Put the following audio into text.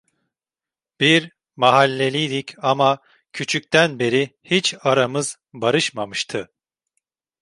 Bir mahalleliydik ama, küçükten beri hiç aramız barışmamıştı.